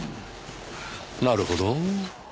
なるほど。